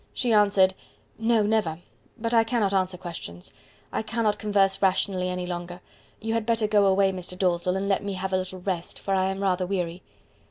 She answered "No, never; but I cannot answer questions. I cannot converse rationally any longer. You had better go away, Mr. Dalzell, and let me have a little rest, for I am rather weary."